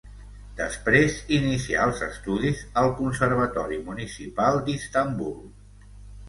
Després inicià els estudis al Conservatori Municipal d'Istanbul.